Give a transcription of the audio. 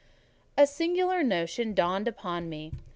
A singular notion dawned upon me.